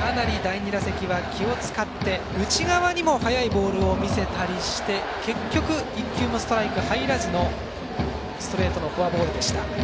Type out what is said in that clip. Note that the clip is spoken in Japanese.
かなり第２打席は気を使って内側にも速いボールを見せたりして結局、１球もストライク入らずのストレートのフォアボールでした。